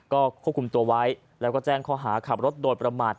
ก็ควบคุมตัวไว้แล้วก็แจ้งข้อหาขับรถโดยประมาท